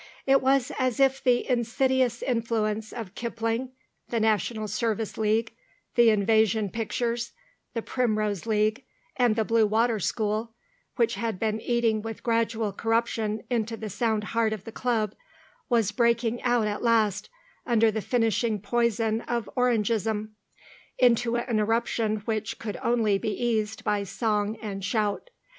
It was as if the insidious influence of Kipling, the National Service League, the Invasion Pictures, the Primrose League, and the Blue Water School, which had been eating with gradual corruption into the sound heart of the Club, was breaking out at last, under the finishing poison of Orangeism, into an eruption which could only be eased by song and shout.